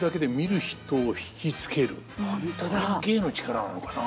これが芸の力なのかな。